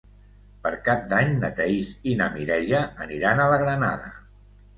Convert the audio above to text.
Per Cap d'Any na Thaís i na Mireia aniran a la Granada.